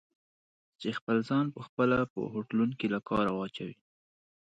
چې خپل ځان په خپله په خوټلون کې له کاره واچوي؟